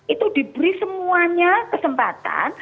itu diberi semuanya kesempatan